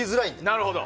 なるほど！